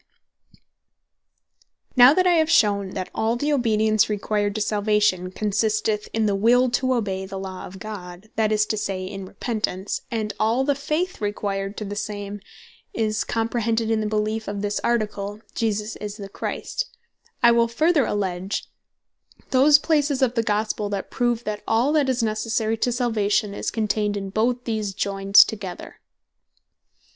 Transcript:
That Faith, And Obedience Are Both Of Them Necessary To Salvation Now that I have shewn, that all the Obedience required to Salvation, consisteth in the will to obey the Law of God, that is to say, in Repentance; and all the Faith required to the same, is comprehended in the beleef of this Article, Jesus Is The Christ; I will further alledge those places of the Gospell, that prove, that all that is Necessary to Salvation is contained in both these joined together.